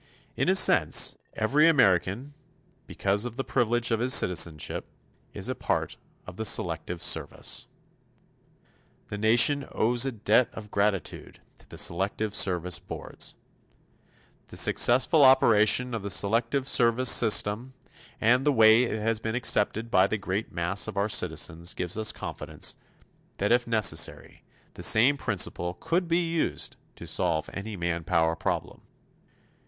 In a sense, every American, because of the privilege of his citizenship, is a part of the Selective Service. The Nation owes a debt of gratitude to the Selective Service boards. The successful operation of the Selective Service System and the way it has been accepted by the great mass of our citizens give us confidence that if necessary, the same principle could be used to solve any manpower problem.